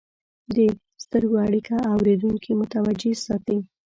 د سترګو اړیکه اورېدونکي متوجه ساتي.